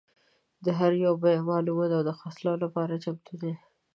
د هر یو بیه معلومه ده او د خرڅلاو لپاره چمتو دي.